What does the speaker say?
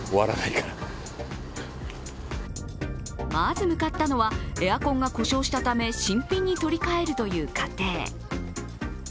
まず向かったのは、エアコンが故障したため新品に取り替えるという家庭。